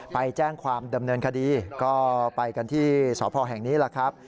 ไปแจ้งความดำเนินคดีก็ไปกันที่สพแห่งนี้แหละครับ